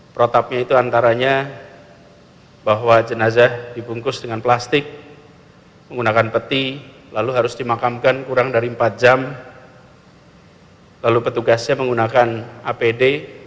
protapnya itu antaranya bahwa jenazah dibungkus dengan plastik menggunakan peti lalu harus dimakamkan kurang dari empat jam lalu petugasnya menggunakan apd